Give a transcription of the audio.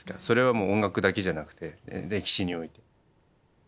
それはもう音楽だけじゃなくて歴史においても。